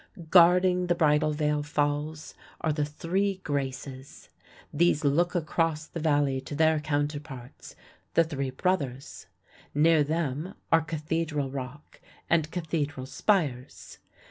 Guarding the Bridal Veil Falls are the Three Graces. These look across the Valley to their counterparts, the Three Brothers. Near them are Cathedral Rock and Cathedral Spires.